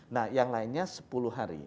nah yang lainnya sepuluh hari